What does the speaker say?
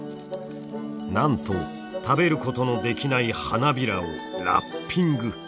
なんと食べることのできない花びらをラッピング。